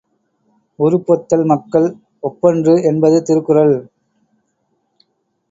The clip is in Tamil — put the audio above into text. உறுப்பொத்தல் மக்கள் ஒப்பன்று என்பது திருக்குறள்.